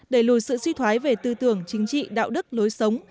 đẩy lùi sự suy thoái về tư tưởng chính trị đạo đức lối sống